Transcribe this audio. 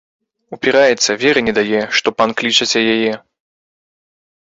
Упіраецца, веры не дае, што пан клічаце яе.